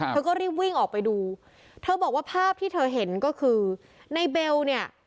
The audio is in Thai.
เธอก็รีบวิ่งออกไปดูเธอบอกว่าภาพที่เธอเห็นก็คือในเบลเนี่ย